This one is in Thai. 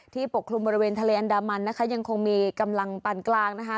ปกคลุมบริเวณทะเลอันดามันนะคะยังคงมีกำลังปันกลางนะคะ